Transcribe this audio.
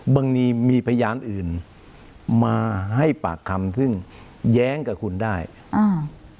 บางทีมีพยานอื่นมาให้ปากคำซึ่งแย้งกับคุณได้อ่า